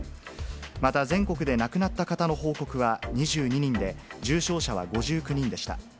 また、全国で亡くなった方の報告は２２人で、重症者は５９人でした。